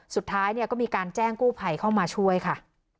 สุดท้ายเนี่ยก็มีการแจ้งกู้ภัยเข้ามาช่วยค่ะ